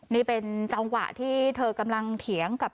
นี่เป็นจังหวะที่เธอกำลังเถียงกับ